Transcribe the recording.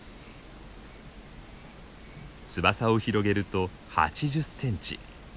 翼を広げると８０センチ。